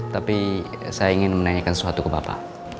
tapi saya ingin menanyakan sesuatu ke bapak